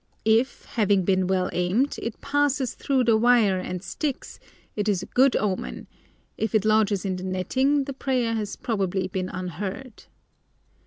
If, having been well aimed, it passes through the wire and sticks, it is a good omen, if it lodges in the netting the prayer has probably been unheard.